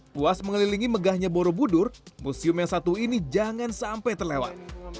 puas mengelilingi megahnya borobudur museum yang satu ini jangan sampai terlewat